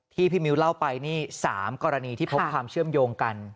พี่มิวเล่าไปนี่๓กรณีที่พบความเชื่อมโยงกัน